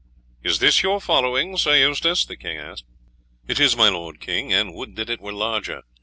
"Is this your following, Sir Eustace?" the king asked. "It is, my lord king, and would that it were larger.